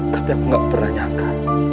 tapi aku gak pernah nyangka